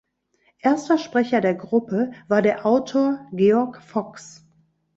Erster Sprecher der Gruppe war der Autor Georg Fox.